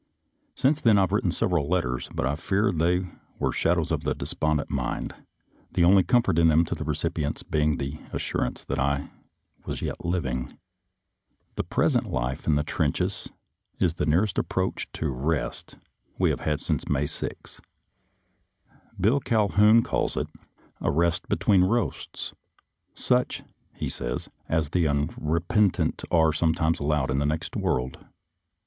Since then I have written several letters, but I fear they were the shadows of a despondent mind — the only comfort in them to the recipients being the as surance that I was yet living. The present life in the trenches is the nearest approach to rest we have had since May 6. Bill Calhoun calls it " a rest between roasts "; such, he says, as the unrepentant are sometimes allowed in the next world.